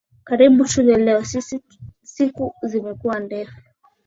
Karibu tule leo, siku zimekuwa ndefu